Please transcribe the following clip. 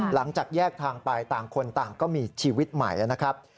หลังจากแยกทางไปต่างคนต่างก็มีชีวิตใหม่นะครับ